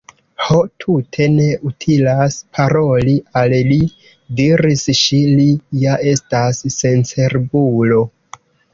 "Ho, tute ne utilas paroli al li," diris ŝi, "li ja estas sencerbulo."